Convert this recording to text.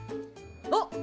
あっ！